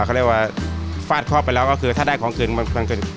เขาเรียกว่าฟาดคอบไปแล้วก็คือถ้าได้ของคืนมันเกิน